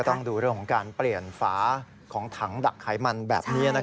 ต้องดูเรื่องของการเปลี่ยนฝาของถังดักไขมันแบบนี้